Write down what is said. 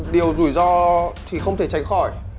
điều rủi ro thì không thể tránh khỏi